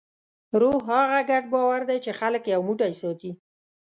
روح هغه ګډ باور دی، چې خلک یو موټی ساتي.